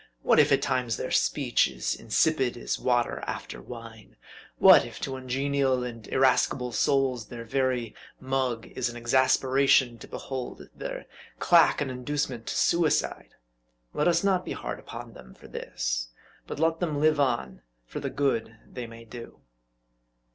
What, if at times their speech is insipid as water after wine ? What, if to ungenial and irascible souls, their very "mug" is an exasperation to behold, their clack an inducement to suicide ? Let us not be hard upon them v for this; but let them live on for the good they may do.